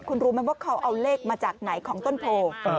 คุณรู้ไหมว่าเขาเอาเลขมาจากไหนของต้นโพ